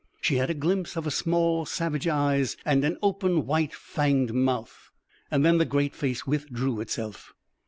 She had a glimpse of small, savage eyes and an open, white fanged mouth. Then the great face withdrew itself.